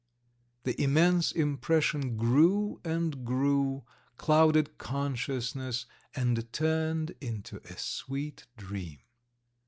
The immense impression grew and grew, clouded consciousness, and turned into a sweet dream.